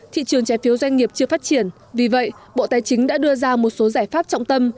thị trường trái phiếu doanh nghiệp chưa phát triển vì vậy bộ tài chính đã đưa ra một số giải pháp trọng tâm